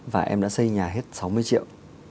và em đã xây nhà hết sáu mươi triệu